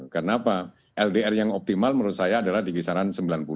kenapa ldr yang optimal menurut saya adalah di kisaran sembilan puluh sembilan puluh dua